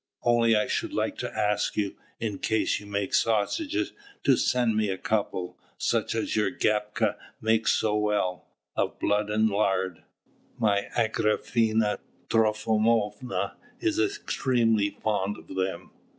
Only I should like to ask you, in case you make sausages, to send me a couple, such as your Gapka makes so well, of blood and lard. My Agrafena Trofimovna is extremely fond of them."